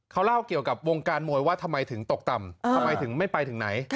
เขาเล่าเกี่ยวกับวงการมวยว่าทำไมถึงตกต่ำทำไมถึงไม่ไปถึงไหน